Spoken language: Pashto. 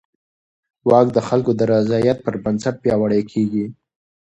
واک د خلکو د رضایت پر بنسټ پیاوړی کېږي.